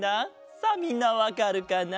さあみんなわかるかな？